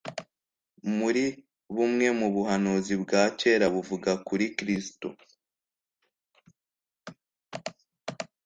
Muri bumwe mu buhanuzi bwa kera buvuga kuri Kristo